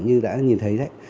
như đã nhìn thấy đấy